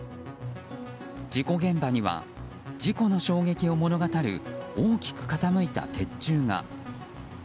事故現場には事故の衝撃を物語る大きく傾いた鉄柱が。